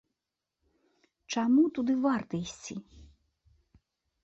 Чаму туды варта ісці?